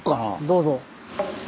どうぞ。